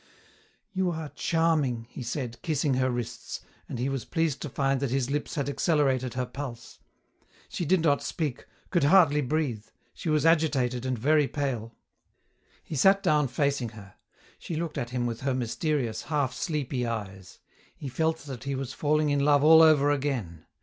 "You are charming," he said, kissing her wrists, and he was pleased to find that his lips had accelerated her pulse. She did not speak, could hardly breathe. She was agitated and very pale. He sat down facing her. She looked at him with her mysterious, half sleepy eyes. He felt that he was falling in love all over again.